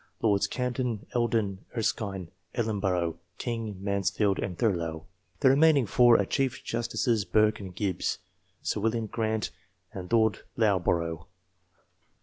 Lords Camden, Eldon, Erskine, Ellenborough, King, Mansfield, and Thurlow. The remaining 4 are Chief Justices Burke and Gibbs, Sir William Grant, and Lord Loughborough.